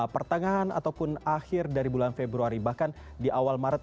pertengahan ataupun akhir dari bulan februari bahkan di awal maret